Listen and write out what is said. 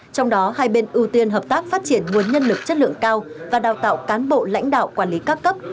trong đó hai bên ưu tiên hợp tác phát triển nguồn nhân lực chất lượng cao và đào tạo cán bộ lãnh đạo quản lý các cấp